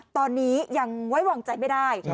ตอนนี้ยังไว้วางใจไม่ได้